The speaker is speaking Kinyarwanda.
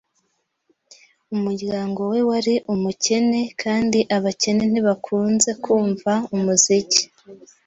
Umuryango we wari umukene, kandi abakene ntibakunze kumva umuziki.